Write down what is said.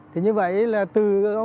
thì như vậy là từ